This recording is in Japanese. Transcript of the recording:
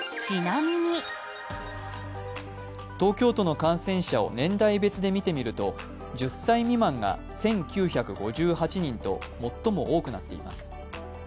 東京都の感染者を年代別で見てみると１０歳未満が１９５８人と最も多くなっています。